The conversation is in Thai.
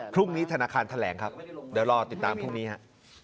พรุ่งนี้ธนาคารแถลงครับเดี๋ยวรอติดตามพรุ่งนี้ครับ